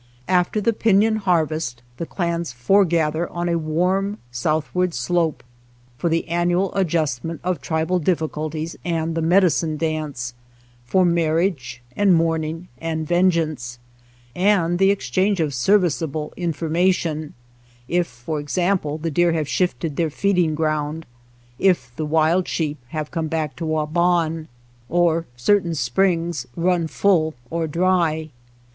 After the pinon harvest the SHOSHONE LAND clans foregather on a warm southward slope for the annual adjustment of tribal difficulties and the medicine dance, for marriage and mourning and vengeance, and the exchange of serviceable informa tion ; if, for example, the deer have shifted their feeding ground, if the wild sheep have come back to Waban, or certain springs run full or dry.